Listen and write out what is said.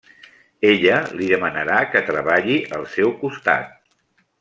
Ella li demanarà que treballi al seu costat.